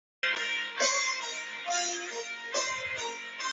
古泥在北燕天王冯跋属下任单于右辅。